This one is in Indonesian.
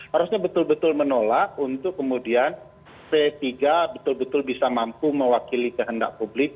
harusnya betul betul menolak untuk kemudian p tiga betul betul bisa mampu mewakili kehendak publik